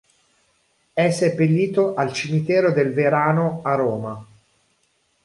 È seppellito al Cimitero del Verano a Roma.